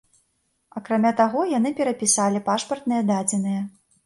Акрамя таго яны перапісалі пашпартныя дадзеныя.